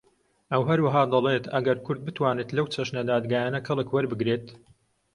ئەو هەروەها دەڵێت ئەگەر کورد بتوانێت لەو چەشنە دادگایانە کەڵک وەربگرێت